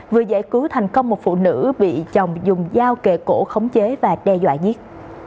vừa giải cứu thành công một phụ nữ bị chồng dùng dao kề cổ khống chế và đe dọa nhất